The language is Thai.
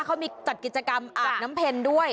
เขามีจัดกิจกรรมอาบน้ำเพ็ญด้วย